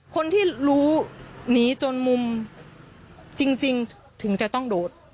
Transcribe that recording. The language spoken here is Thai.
คนที่รู้หนีจนมุมจริงถึงจะต้องโดด